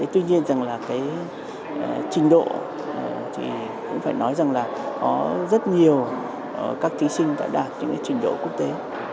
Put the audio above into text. tuy nhiên trình độ cũng phải nói rằng có rất nhiều các thí sinh đã đạt trình độ quốc tế